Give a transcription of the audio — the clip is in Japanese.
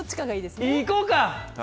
いこうか！